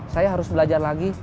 saya harus belajar lagi